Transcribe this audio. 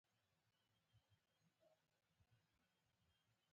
د دې کالم پر عنوان او شدت بخښنه غواړم.